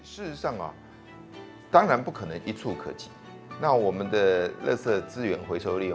sebenarnya tidak mungkin bisa diberikan secara satu